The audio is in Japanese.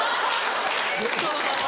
そのまま。